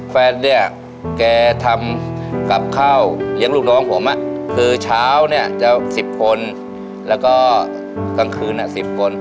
แฟนเนี่ยแกทำกับข้าวเลี้ยงลูกน้องผมคือเช้าเนี่ยจะ๑๐คนแล้วก็กลางคืน๑๐คน